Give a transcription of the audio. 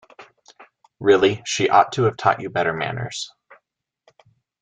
Really, she ought to have taught you better manners!